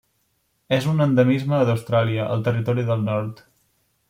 És un endemisme d'Austràlia: el Territori del Nord.